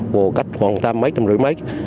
vô cách khoảng ba mấy trăm rưỡi mấy